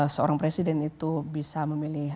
seorang presiden itu bisa memilih